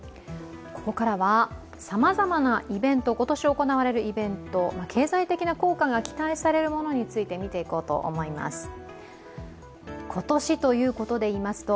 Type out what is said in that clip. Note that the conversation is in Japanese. ここからはさまざまな今年行われるイベント、経済的な効果が期待されるものについて見ていこうと思います。